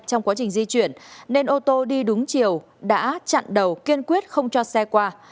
trong quá trình di chuyển nên ô tô đi đúng chiều đã chặn đầu kiên quyết không cho xe qua